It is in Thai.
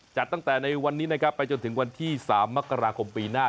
จัดตั้งแต่ในวันนี้นะครับไปจนถึงวันที่๓มกราคมปีหน้า